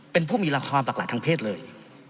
เป็นผู้มีละครหลากหลายทางเพศเลย